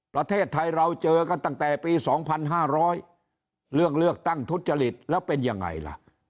ประเทศไทยเราเจอกันตั้งแต่ปี๒๕๐๐เรื่องเลือกตั้งทุจริตแล้วเป็นยังไงล่ะ